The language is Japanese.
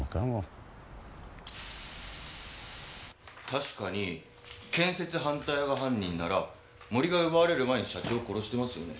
確かに建設反対派が犯人なら森が奪われる前に社長を殺してますよね。